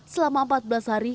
selama empat belas hari